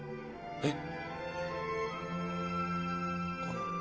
えっ！？